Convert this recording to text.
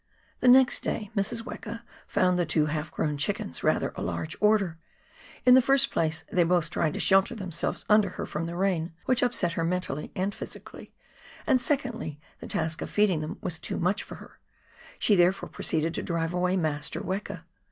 110 The next day Mrs. Weka found the two half grown chickens rather " a large order "; in the first place they both tried to shelter themselves under her from the rain, which upset her mentally and physically, and secondly, the task of feeding them was too much for her ; she therefore proceeded to drive away Master Weka.